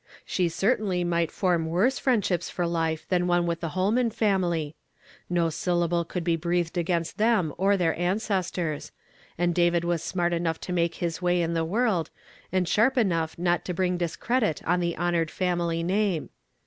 She certainly mioht form woi se friend .ships for life than one with the Ilolman family ; no syllable could be breathed against them or their aneestoi s ; and David was smart enough to make his way in the world, and sharp enough not to bring discredit on the honored family name.